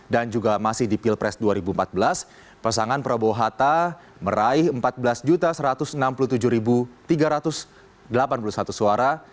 dan juga masih di pilpres dua ribu empat belas pasangan prabowo hatta meraih empat belas satu ratus enam puluh tujuh tiga ratus delapan puluh satu suara